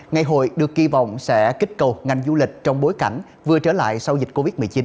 ngày hội được kỳ vọng sẽ kích cầu ngành du lịch trong bối cảnh vừa trở lại sau dịch covid một mươi chín